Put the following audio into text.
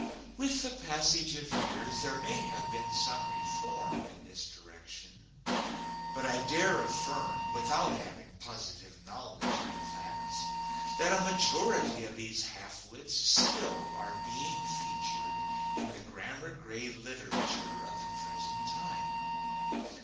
With the passage of years there may have been some reform in this direction, but I dare affirm, without having positive knowledge of the facts, that a majority of these half wits still are being featured in the grammar grade literature of the present time.